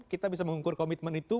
kita bisa mengukur komitmen itu